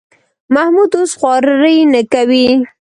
محمود اوس خواري نه کوي.